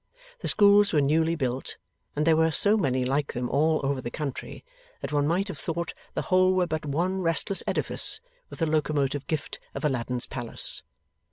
The schools were newly built, and there were so many like them all over the country, that one might have thought the whole were but one restless edifice with the locomotive gift of Aladdin's palace.